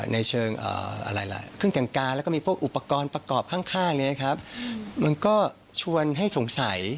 ในเชิงเครื่องแต่งกายแล้วก็มีพวกอุปกรณ์ประกอบข้างมันก็ชวนให้สงสัย